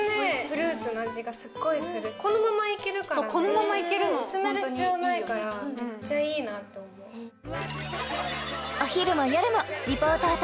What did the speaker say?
フルーツの味がすっごいするこのままいけるからそうこのままいけるのそう薄める必要ないからめっちゃいいなと思うお昼もよるもリポーター